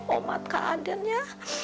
omat ke aden ya